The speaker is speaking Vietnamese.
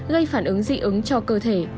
gây phản ứng dị ứng cho cơ thể